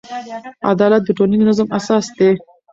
عدالت د ټولنیز نظم اساس دی.